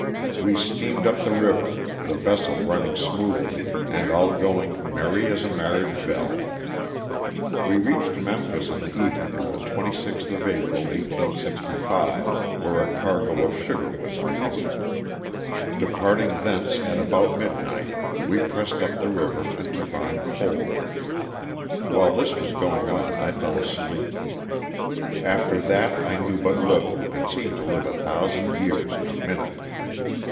We steamed up the river, the vessel running smoothly and all going ^' merry as a marriage bell." We reached Memphis on the evening of the 26th of April, 1865, where a cargo of sugar was unloaded. Departing thence at about midnight we pressed up the river and took on coal. While this was going on I fell asleep. After that I knew but little and seemed to live a thousand years in a minute.